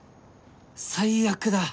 最悪だ！